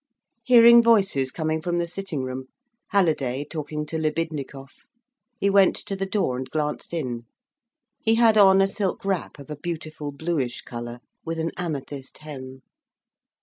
Hearing voices coming from the sitting room, Halliday talking to Libidnikov, he went to the door and glanced in. He had on a silk wrap of a beautiful bluish colour, with an amethyst hem.